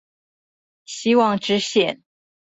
希望之線